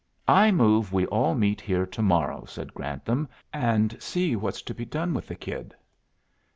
"I move we all meet here to morrow," said Grantham, "and see what's to be done with the kid."